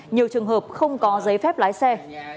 nhiều trường hợp không có giấy phép lái xe